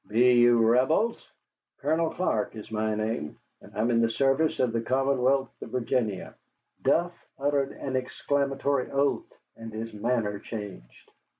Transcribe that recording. "Be you Rebels?" "Colonel Clark is my name, and I am in the service of the Commonwealth of Virginia." Duff uttered an exclamatory oath and his manner changed.